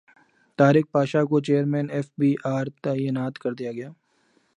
طارق پاشا کو chairman F B R تعینات کردیاگیا